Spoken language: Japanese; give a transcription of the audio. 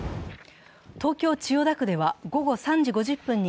東京・千代田区では午後３時５０分に